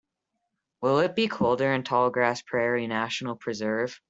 Will it be colder in Tallgrass Prairie National Preserve?